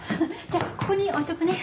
じゃあここに置いとくね。